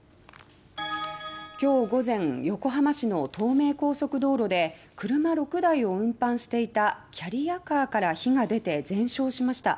今日午前横浜市の東名高速道路で車６台を運搬していたキャリアカーから火が出て全焼しました。